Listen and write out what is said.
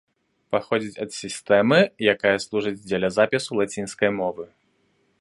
Паходзіць ад сістэмы, якая служыць дзеля запісу лацінскай мовы.